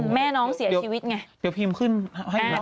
แม่น้องเสียชีวิตไงเดี๋ยวพิมพ์ขึ้นให้